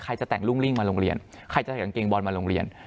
จะแต่งรุ่งริ่งมาโรงเรียนใครจะใส่กางเกงบอลมาโรงเรียน